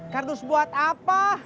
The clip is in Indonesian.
kardus buat apa